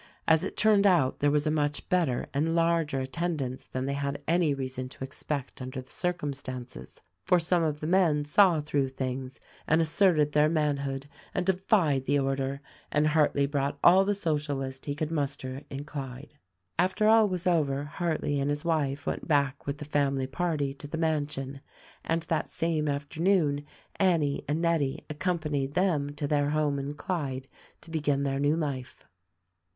As it turned out there was a much better and larger attendance than they had any reason to expect under the circumstances, for some of the men saw through things and asserted their manhood and defied the order, and Hartleigh brought all the Socialists he could mus ter in Clyde. After all was over Hartleigh and his wife went back with the family party to the mansion, and that same afternoon Annie and Nettie accompanied them to their home in Clyde to begin their new life.